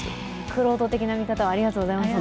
玄人的な見方をありがとうございます。